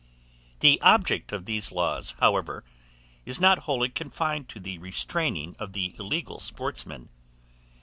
THE OBJECT OF THESE LAWS, however, is not wholly confined to the restraining of the illegal sportsman.